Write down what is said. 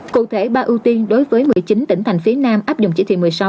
cụ thể ba ưu tiên đối với một mươi chín tỉnh thành phía nam áp dụng chỉ thị một mươi sáu